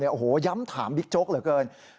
โอ้โหย้ำถามบิ๊กโจ๊กเหลือเกิน